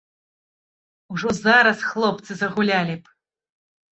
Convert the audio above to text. Ужо зараз хлопцы загулялі б!